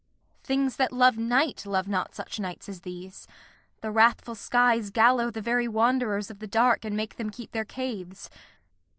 Things that love night Love not such nights as these. The wrathful skies Gallow the very wanderers of the dark And make them keep their caves.